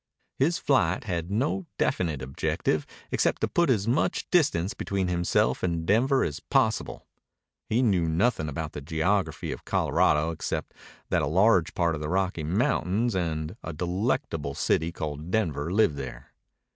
His flight had no definite objective except to put as much distance between himself and Denver as possible. He knew nothing about the geography of Colorado, except that a large part of the Rocky Mountains and a delectable city called Denver lived there.